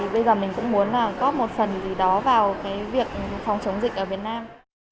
bây giờ mình cũng muốn góp một phần gì đó vào việc phòng chống dịch ở việt nam